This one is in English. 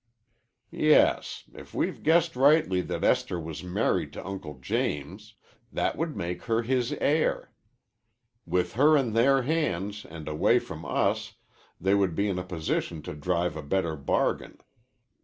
"Yes, if we've guessed rightly that Esther was married to Uncle James. That would make her his heir. With her in their hands and away from us, they would be in a position to drive a better bargain.